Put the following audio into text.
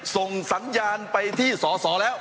ส่งสัญญาณไปที่สอสอแล้ว